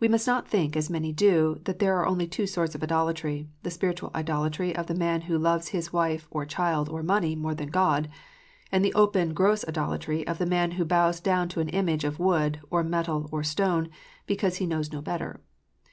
We must not think, as many do, that there are only two sorts of idolatry, the spiritual idolatry of the man who loves his wife, or child, or money more than God ; and the open, gross idolatry of the man who bows down to an image of wood, or metal, or stone, because he knows no better.